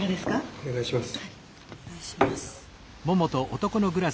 お願いします。